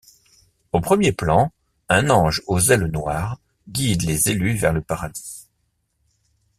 Au premier plan, un ange aux ailes noires guide les élus vers le paradis.